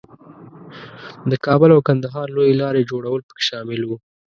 د کابل او کندهار لویې لارې جوړول پکې شامل وو.